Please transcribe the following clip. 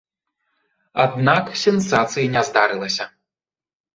Аднак, сенсацыі не здарылася.